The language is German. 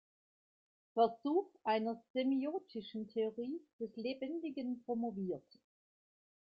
Versuch einer semiotischen Theorie des Lebendigen" promoviert.